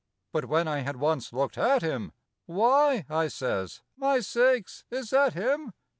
But when I had once looked at him, "Why!" I says, "My sakes, is that him?